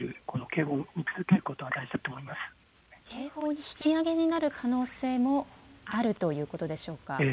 警報に引き上げになる可能性もあるということですか。